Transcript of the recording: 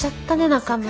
中村。